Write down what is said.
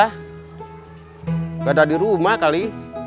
tidak ada di rumah kali